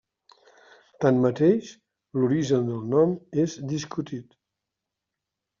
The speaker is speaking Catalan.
Tanmateix, l'origen del nom és discutit.